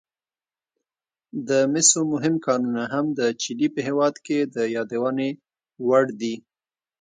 د مسو مهم کانونه هم د چیلي په هېواد کې د یادونې وړ دي.